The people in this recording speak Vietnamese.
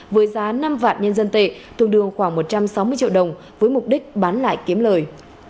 với giá năm vạn nhân dân tệ tương đương khoảng một trăm sáu mươi triệu đồng với mục đích bán lại kiếm lời